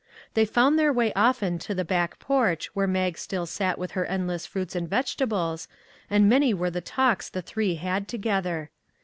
They found their way often to the back porch where Mag still sat with her endless fruits and vegetables, and many were the talks the three had together.